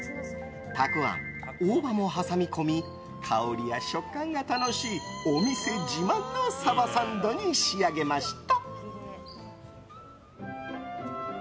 たくあん、大葉も挟み込み香りや食感が楽しいお店自慢の鯖サンドに仕上げました。